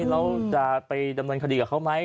แล้วจะไปดำเนินคดีกับเขาไหม